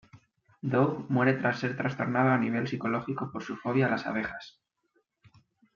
Doug muere tras ser trastornado a nivel psicológico por su fobia a las abejas.